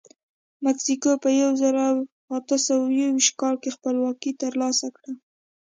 مکسیکو په یو زرو اته سوه یوویشت کال کې خپلواکي ترلاسه کړه.